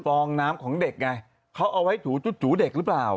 องน้ำของเด็กไงเขาเอาไว้ถูจูเด็กหรือเปล่า